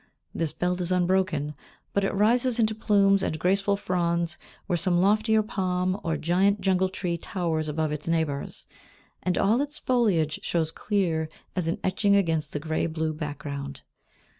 This belt is unbroken, but it rises into plumes and graceful fronds, where some loftier palm or giant jungle tree towers above its neighbours, and all its foliage shows clear as an etching against the grey blue background.